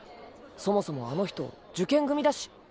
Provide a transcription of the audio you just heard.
そもそもあの人受験組だし。